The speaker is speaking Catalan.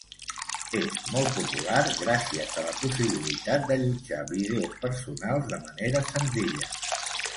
És molt popular gràcies a la possibilitat d'allotjar vídeos personals de manera senzilla.